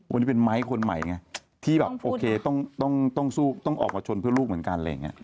วันนี้เป็นไม้คนใหม่ไงที่แบบโอเคต้องออกมาชนเพื่อลูกเหมือนกันอะไรอย่างนี้